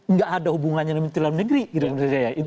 nggak ada hubungannya dengan menteri dalam negeri